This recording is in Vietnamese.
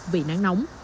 vì nắng nóng